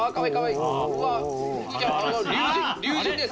龍神です！